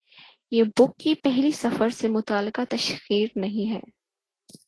یہ بُک کی پہلی سفر سے متعلقہ تشہیر نہیں ہے